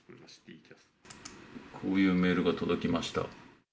こういうメールが届きました。